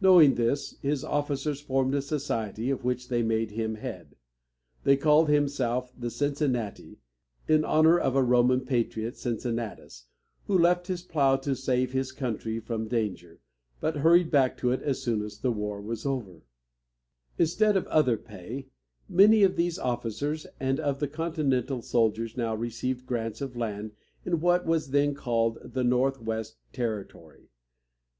Knowing this, his officers formed a society of which they made him head. They called themselves the Cincin na´ti, in honor of a Roman patriot, Cincinnatus, who left his plow to save his country from danger, but hurried back to it as soon as the war was over. [Illustration: The Mount Vernon House, South Front.] Instead of other pay, many of these officers and of the continental soldiers now received grants of land in what was then called the Northwest Territory.